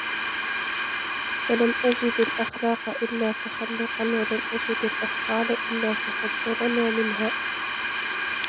فَلَمْ أَجِدْ الْأَخْلَاقَ إلَّا تَخَلُّقًا وَلَمْ أَجِدْ الْأَفْضَالَ إلَّا تَفَضُّلَا وَمِنْهَا